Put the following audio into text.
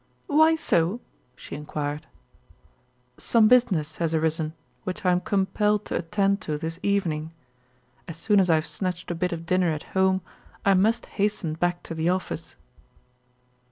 "Why so?" she inquired. "Some business has arisen which I am compelled to attend to this evening. As soon as I have snatched a bit of dinner at home I must hasten back to the office."